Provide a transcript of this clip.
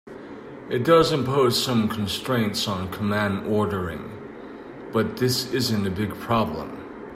It does impose some constraints on command ordering, but this isn't a big problem.